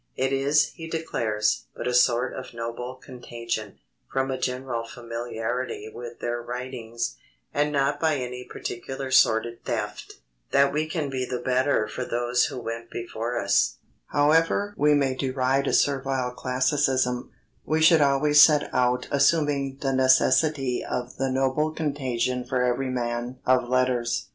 "It is," he declares, "but a sort of noble contagion, from a general familiarity with their writings, and not by any particular sordid theft, that we can be the better for those who went before us," However we may deride a servile classicism, we should always set out assuming the necessity of the "noble contagion for every man of letters."